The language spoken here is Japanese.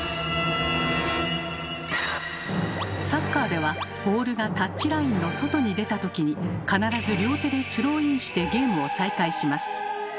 サッカーではボールがタッチラインの外に出た時に必ず両手でスローインしてゲームを再開します。